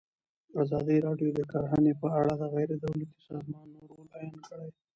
ازادي راډیو د کرهنه په اړه د غیر دولتي سازمانونو رول بیان کړی.